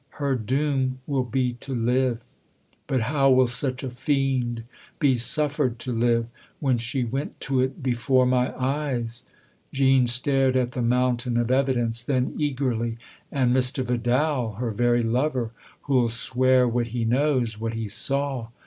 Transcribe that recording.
" Her doom will be to live." " But how will such a fiend be suffered tfo live when she went to it before my eyes ?" Jean stared at the mountain of evidence; then eagerly: "And Mr. Vidal her very lover, who'll swear what he knows what he saw